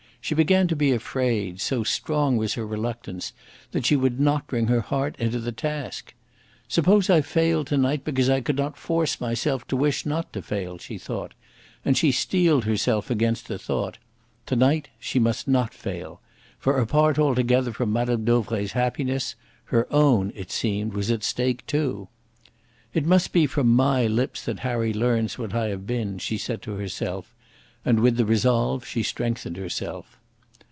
She began to be afraid, so strong was her reluctance, that she would not bring her heart into the task. "Suppose I failed to night because I could not force myself to wish not to fail!" she thought, and she steeled herself against the thought. To night she must not fail. For apart altogether from Mme. Dauvray's happiness, her own, it seemed, was at stake too. "It must be from my lips that Harry learns what I have been," she said to herself, and with the resolve she strengthened herself.